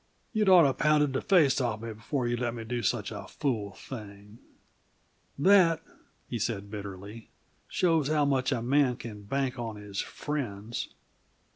You'd oughta pounded the face off me before you let me do such a fool thing. That," he said bitterly, "shows how much a man can bank on his friends!"